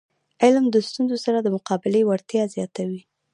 علم د ستونزو سره د مقابلي وړتیا زیاتوي.